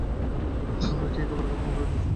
আমরা কি একে অপরকে ক্ষমা করে দিয়েছি?